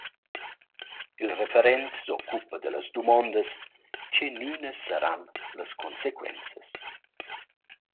Il referent s’occupa da las dumondas: Chenünas saran las consequenzas?